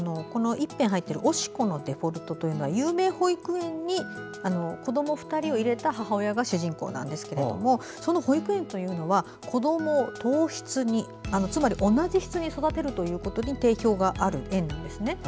「推子のデフォルト」というのは有名保育園に子ども２人を入れた母親が主人公なんですけどその保育園というのは子どもを等質につまり同じ質に育てることに定評がある園なんですね。